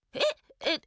えっ！